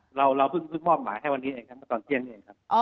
เพราะว่าเราเพิ่งมอบหมาให้วันนี้เองครับตอนเที่ยงเองครับ